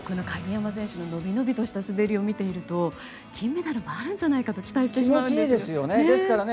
鍵山選手ののびのびとした滑りを見ると金メダルもあるんじゃないかと思いますね。